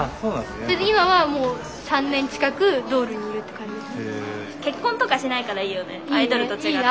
それで今はもう３年近くドールにいるって感じです。